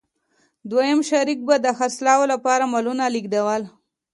دویم شریک به د خرڅلاو لپاره مالونه لېږدول